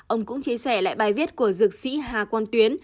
ông cũng chia sẻ lại bài viết của dược sĩ hà quang tuyến